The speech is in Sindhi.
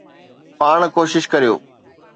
پاڻ ڪوشش ڪريو.